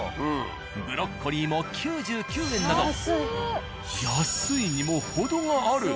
ブロッコリーも９９円など安いにも程がある。